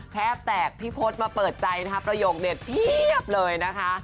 แทบแตกพี่พศมาเปิดใจนะคะประโยคเด็ดเพียบเลยนะคะ